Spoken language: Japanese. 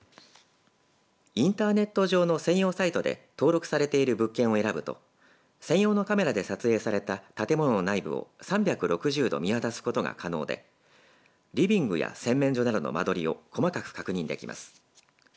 インターネット上の専用サイトで登録されている物件を選ぶと専用のカメラで撮影された建物の内部を３６０度見渡すことが可能でリビングや洗面所などの間取りを細かく確認できます。